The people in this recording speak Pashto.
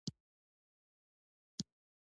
بېډۍ د پسه د پښې يو هډوکی او د لوبو وسيله ده.